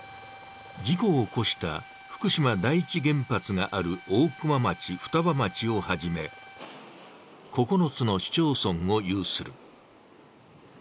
事故を起こした福島第一原発がある大熊町、双葉町をはじめ９つの市町村を有する。